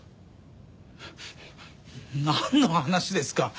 なんの話ですか？